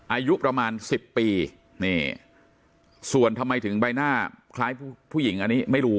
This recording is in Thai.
อายุประมาณ๑๐ปีนี่ส่วนทำไมถึงใบหน้าคล้ายผู้หญิงอันนี้ไม่รู้